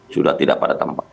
sudah tidak pada tempat